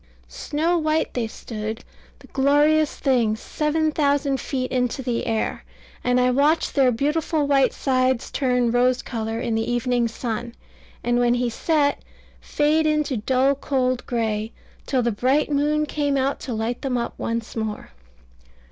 Snow white they stood, the glorious things, seven thousand feet into the air; and I watched their beautiful white sides turn rose colour in the evening sun, and when he set, fade into dull cold gray, till the bright moon came out to light them up once more.